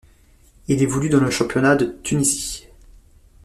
Il évolue dans le championnat de Tunisie.